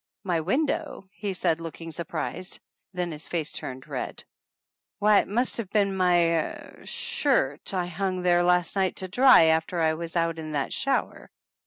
"My window!" he said, looking surprised; then his face turned red. "Why, it must have been my er shirt I hung there last night to dry after I was out in that shower!"